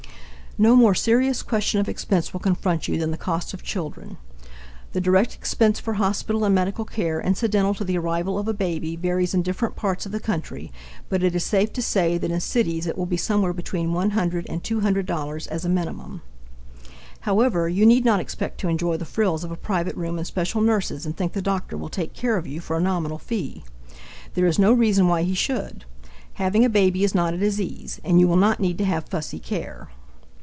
No more serious question of expense will confront you than the cost of children. The direct expense for hospital and medical care incidental to the arrival of a baby varies in different parts of the country, but it is safe to say that in cities it will be somewhere between $100 and $200 as a minimum. However, you need not expect to enjoy the frills of a private room and special nurses and think the doctor will take care of you for a nominal fee; there is no reason why he should. Having a baby is not a disease, and you will not need to have fussy care.